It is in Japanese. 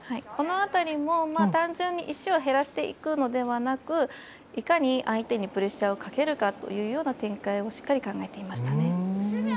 この辺りも単純に石を減らしていくのではなくいかに相手にプレッシャーをかけるかという展開をしっかり考えていましたね。